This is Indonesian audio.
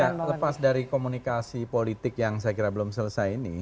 ya lepas dari komunikasi politik yang saya kira belum selesai ini